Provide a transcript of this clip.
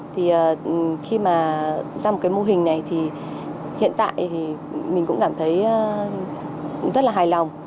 thì khi mà ra một cái mô hình này thì hiện tại thì mình cũng cảm thấy rất là hài lòng